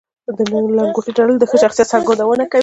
د لنګوټې تړل د ښه شخصیت څرګندونه کوي